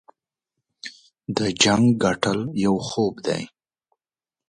د جنګ ګټل یو خوب دی.